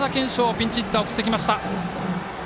ピンチヒッター、送ってきました。